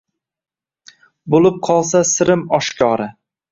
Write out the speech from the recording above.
Bo’lib qolsa sirim oshkora